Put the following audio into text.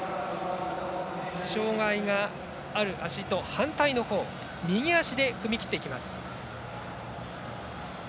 障がいがある足と反対のほう右足で踏み切ります。